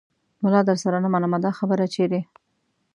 ملا درسره نه منمه دا خبره چیرې